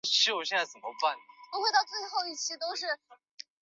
布雷松维勒人口变化图示